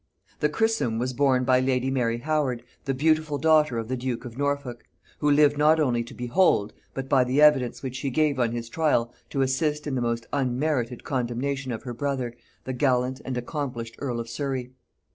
The chrism was borne by lady Mary Howard, the beautiful daughter of the duke of Norfolk; who lived not only to behold, but, by the evidence which she gave on his trial, to assist in the most unmerited condemnation of her brother, the gallant and accomplished earl of Surry.